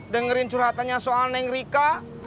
dengerin curhatannya soal neng rika